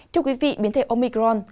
chào quý vị biến thể omicron